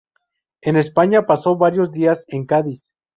En España pasó varios días en Cádiz.